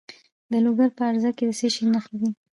د لوګر په ازره کې د څه شي نښې دي؟